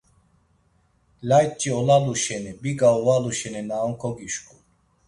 Layç̌i olalu şeni, biga ovalu şeni na on kogişǩun.